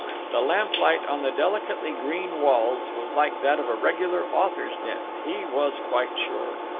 The lamplight on the delicately green walls was like that of a regular author's den, he was quite sure.